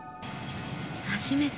初めて。